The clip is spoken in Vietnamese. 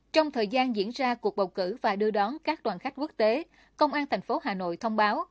trong thời gian diễn ra cuộc bầu cử và đưa đón các đoàn khách quốc tế công an thành phố hà nội thông báo